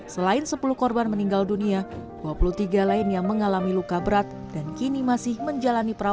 selain sepuluh korban meninggal dunia dua puluh tiga lainnya mengalami luka berat dan kini masih menjalani perawatan